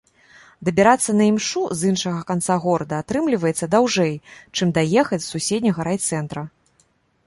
Дабірацца на імшу з іншага канца горада атрымліваецца даўжэй, чым даехаць з суседняга райцэнтра.